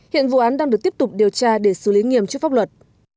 hiện vụ án đang được tiếp tục điều tra để xử lý nghiêm trước pháp luật